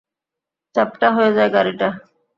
চ্যাপ্টা হয়ে যায় গাড়িটা।